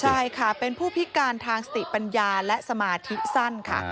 ใช่ค่ะเป็นผู้พิการทางสติปัญญาและสมาธิสั้นค่ะ